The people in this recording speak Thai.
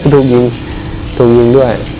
ถูกยิงถูกยิงด้วย